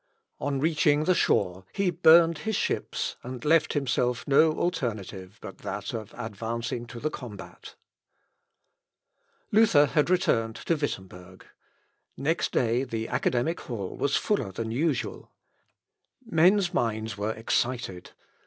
On reaching the shore, he burnt his ships, and left himself no alternative but that of advancing to the combat. Luther had returned to Wittemberg. Next day the academic hall was fuller than usual. Men's minds were excited.